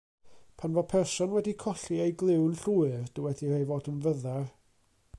Pan fo person wedi colli ei glyw'n llwyr, dywedir ei fod yn fyddar.